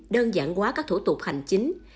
đơn giản quá các thủ tục hành chính